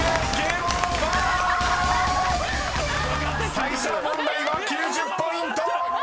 ［最初の問題は９０ポイント！］